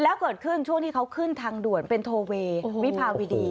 แล้วเกิดขึ้นช่วงที่เขาขึ้นทางด่วนเป็นโทเววิภาวิดี